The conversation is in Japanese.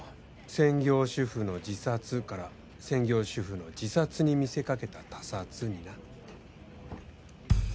「専業主婦の自殺」から「専業主婦の自殺に見せかけた他殺」にな。